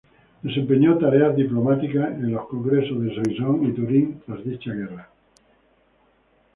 Desempeñó tareas diplomáticas en los Congresos de Soissons y Turín tras dicha guerra.